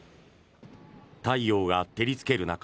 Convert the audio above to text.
太陽が照りつける中